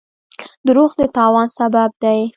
دروغ د تاوان سبب دی.